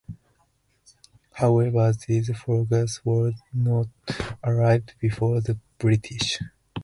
However, these forces would not arrive before the British.